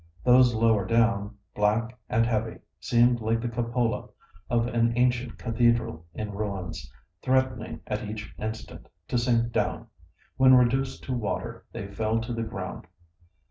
Those lower down, black and heavy, seemed like the cupola of an ancient cathedral in ruins, threatening at each instant to sink down. When reduced to water they fell to the ground.